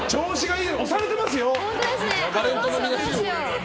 押されてますよ。